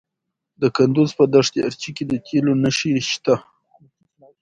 د کندز په دشت ارچي کې د تیلو نښې شته.